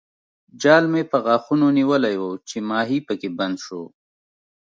جال مې په غاښونو نیولی وو چې ماهي پکې بند شو.